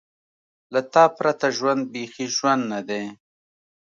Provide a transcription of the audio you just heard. له تا پرته ژوند بېخي ژوند نه دی.